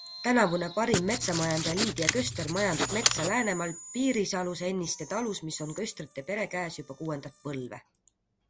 Tänavune parim metsamajandaja Liidia Köster majandab metsa Läänemaal Piirisalus Enniste talus, mis on Köstrite pere käes juba kuuendat põlve.